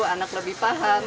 anak lebih paham